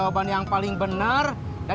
ya makasih ya